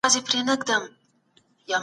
ګډ هوډ ته اړتیا ده.